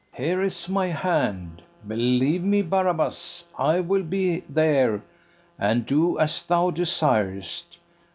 Here is my hand; believe me, Barabas, I will be there, and do as thou desirest.